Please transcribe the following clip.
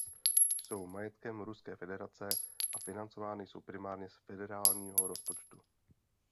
Jsou majetkem Ruské federace a financovány jsou primárně z federálního rozpočtu.